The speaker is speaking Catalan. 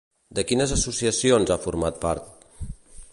De quines associacions ha format part?